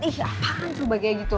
ih apakan sebagainya gitu